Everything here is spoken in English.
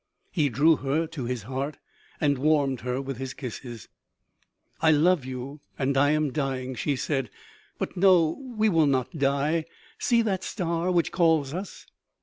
He drew her to his heart, and warmed her with his kisses. " I love you, and I am dying," she said. " But, no, we will not die. See that star, which calls us